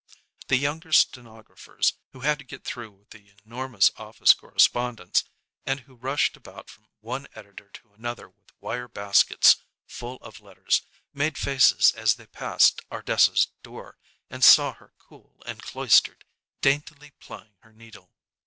The younger stenographers, who had to get through with the enormous office correspondence, and who rushed about from one editor to another with wire baskets full of letters, made faces as they passed Ardessa's door and saw her cool and cloistered, daintily plying her needle.